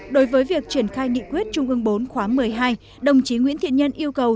đối với việc triển khai nghị quyết trung ương bốn khóa một mươi hai đồng chí nguyễn thiện nhân yêu cầu